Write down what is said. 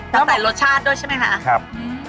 ใส่รสชาติด้วยใช่ไหมคะครับ